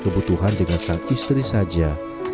kebutuhan dengan istri saja